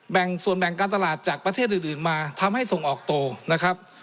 แบ่งส่วนแบ่งการตลาดจากประเทศอื่นมาทำให้ส่งออกโตนะครับ